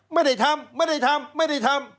ไม่ได้ทำไม่ได้ทำไม่ได้ทำ